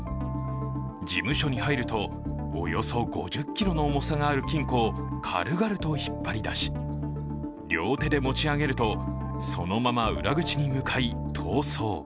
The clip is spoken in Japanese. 事務所に入るとおよそ５０ｋｇの重さがある金庫を軽々と引っ張りだし両手で持ち上げるとそのまま裏口に向かい逃走。